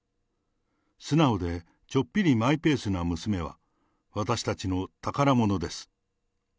素直でちょっぴりマイペースな娘は、私たちの宝物です。